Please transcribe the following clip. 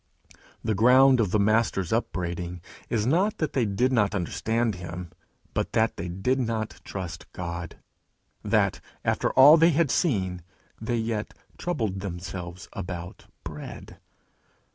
The ground of the Master's upbraiding is not that they did not understand him, but that they did not trust God; that, after all they had seen, they yet troubled themselves about bread.